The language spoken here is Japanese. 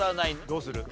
どうする？